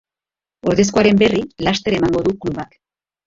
Ordezkoaren berri laster emango du klubak.